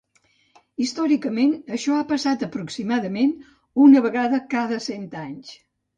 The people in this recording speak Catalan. Històricament això ha passat aproximadament una vegada cada cent anys.